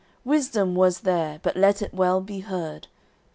Wisdom was there, but let it well be heard.